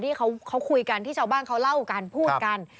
ที่เขาคุยกันที่ชาวบ้านเขาเล่ากันพูดกัน